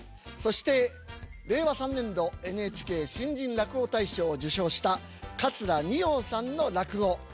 そして令和３年度ＮＨＫ新人落語大賞を受賞した桂二葉さんの落語。